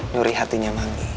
nyuri hatinya manggih